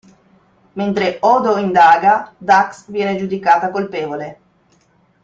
Mentre Odo indaga, Dax viene giudicata colpevole.